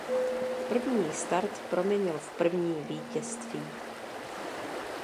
První start proměnil v první vítězství.